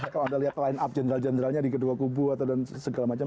kalau anda lihat line up general generalnya di kedua kubu atau segala macam